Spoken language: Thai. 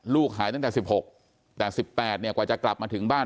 ลูกหายตั้งแต่๑๖แต่๑๘กว่าจะกลับมาถึงบ้าน